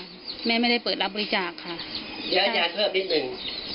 ค่ะแม่ไม่ได้เปิดรับบริจาคค่ะเดี๋ยวอาจารย์เพิ่มนิดหนึ่ง